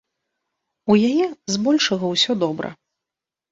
У яе з большага ўсё добра.